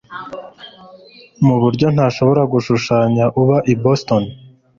Nuburyo ntashobora gushushanya uba i Boston.